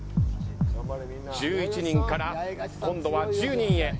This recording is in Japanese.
１１人から今度は１０人へ。